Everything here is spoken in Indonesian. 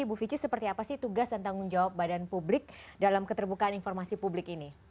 ibu vici seperti apa sih tugas dan tanggung jawab badan publik dalam keterbukaan informasi publik ini